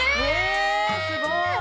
すごーい！